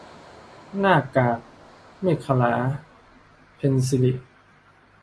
หน้ากากเมขลา - เพ็ญศิริ